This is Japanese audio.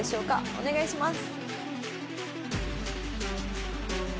お願いします。